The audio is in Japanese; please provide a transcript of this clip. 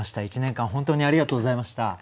一年間本当にありがとうございました。